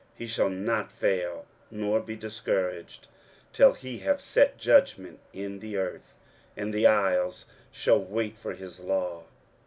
23:042:004 He shall not fail nor be discouraged, till he have set judgment in the earth: and the isles shall wait for his law.